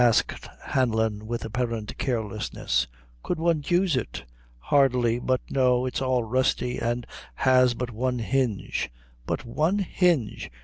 asked Hanlon, with apparent carelessness, "could one use it?" "Hardly; but no, it's all rusty, an' has but one hinge." "But one hinge!"